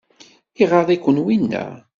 Iɣaḍ-iken winna?